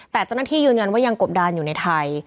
แต่เจ้าหน้าที่ยืนยันว่ายังกบดานอยู่ในไทย